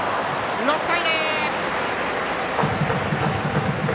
６対０！